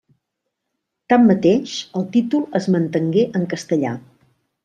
Tanmateix el títol es mantengué en castellà.